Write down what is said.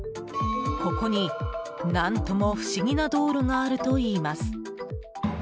ここに何とも不思議な道路があるといいます。